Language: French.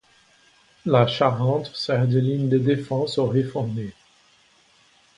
La Charente sert de ligne de défense aux réformés.